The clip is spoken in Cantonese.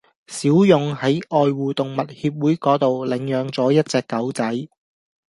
小勇喺愛護動物協會嗰度領養咗一隻狗仔